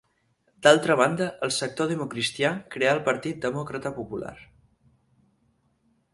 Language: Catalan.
D'altra banda, el sector democristià creà el Partit Demòcrata Popular.